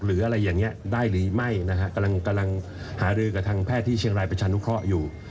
หรืออะไรอย่างนี้ได้หรือไม่นะฮะกำลังหารือกับทางแพทย์ที่เชียงรายประชานุเคราะห์อยู่